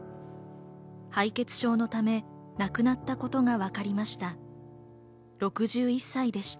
敗血症のため、亡くなったことがわかりました。